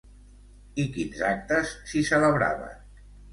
I quins actes s'hi celebraven?